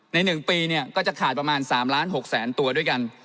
ใน๑ปีก็จะขาดประมาณ๓ล้าน๖แสนตัวด้วยกัน